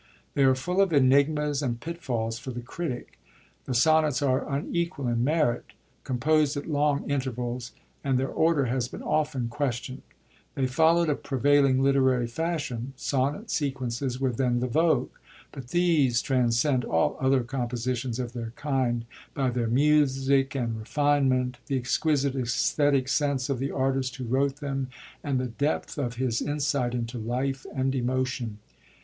They are full of enigmas and pitfalls for the critic ; the Sonnets are unequal in merit, composed at long intervals, and their order has been often questiond. They followd a pre vailing literary fashion ; sonneJ^ sequences were then the vogue ; but these transcend all other compositions of their kind by their music and refinement, the exquisite aesthetic sense of the artist who wrote them, and the depth of his insight into life and emotion.